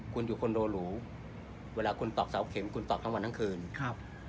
คุณอยู่คอนโดหรูเวลาคุณตอกเสาเข็มคุณตอกทั้งวันทั้งคืนครับ